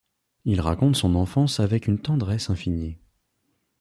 Il raconte son enfance avec une tendresse infinie.